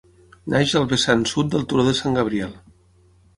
Neix al vessant sud del turó de Sant Gabriel.